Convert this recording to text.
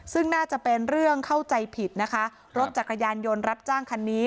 ซึ่งน่าจะเป็นเรื่องเข้าใจผิดนะคะรถจักรยานยนต์รับจ้างคันนี้